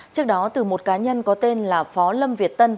trước đó từ một cá nhân có tên là phó lâm việt tân